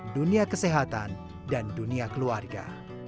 dunia kesehatan dan dunia keluarga